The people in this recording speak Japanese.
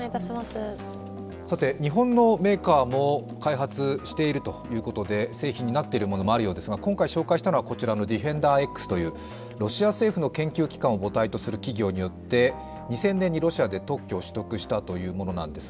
日本のメーカーも開発しているということで、製品になっているものもあるようですが、今回紹介したのは、こちらのディフェンダーＸというロシア政府の研究機関を母体とする企業によって開発、２０００年にロシアで特許を取得したというものです。